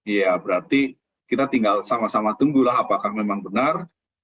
ya berarti kita tinggal sama sama tunggulah apakah memang benar